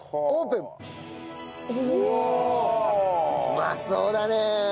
うまそうだねえ。